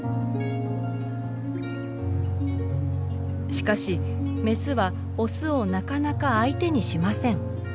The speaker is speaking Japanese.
しかしメスはオスをなかなか相手にしません。